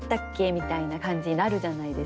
みたいな感じになるじゃないですか。